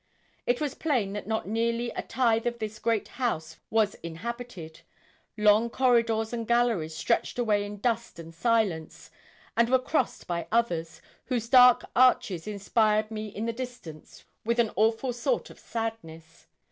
It was plain that not nearly a tithe of this great house was inhabited; long corridors and galleries stretched away in dust and silence, and were crossed by others, whose dark arches inspired me in the distance with an awful sort of sadness.